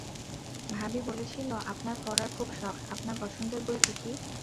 ভাবি বলেছিল, আপনার পড়ার খুব শখ, আপনার পছন্দের বই কী কী?